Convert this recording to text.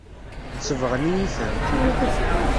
Sebɣen-iyi-ten.